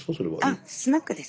あスナックです。